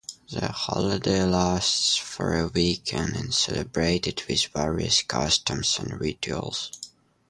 The holiday lasts for a week and is celebrated with various customs and rituals.